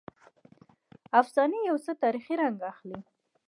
افسانې یو څه تاریخي رنګ اخلي.